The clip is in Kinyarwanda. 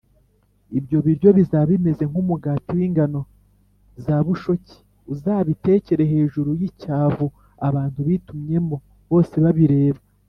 Ibyo biryo bizaba bimeze nk’umugati w’ingano za bushoki, uzabitekere hejuru y’icyavu abantu bitumyemo bose babireba